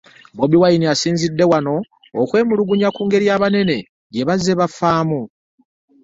Bobi Wine asinzidde wano okwemulugunya ku ngeri abanene gye bazze bafaamu